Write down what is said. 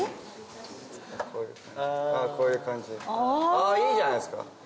あぁこういう感じであぁいいじゃないですか。